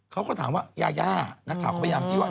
เขาก็ถามว่ายาย่านักข่าวก็พยายามที่ว่า